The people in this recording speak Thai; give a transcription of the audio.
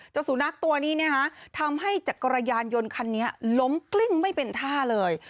สุนัขตัวนี้ทำให้จักรยานยนต์คันนี้ล้มกลิ้งไม่เป็นท่าเลย